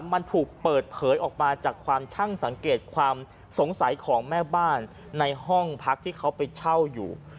มันถูกเปิดเผยออกมาจากความช่างสังเกตความสงสัยของแม่บ้านในห้องพักที่เขาไปเช่าอยู่